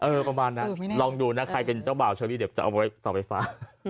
ประมาณนั้นลองดูนะใครเป็นเจ้าบ่าวเชอรี่เดี๋ยวจะเอาไว้เสาไฟฟ้า